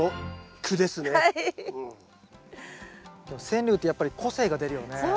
でも川柳ってやっぱり個性が出るよね。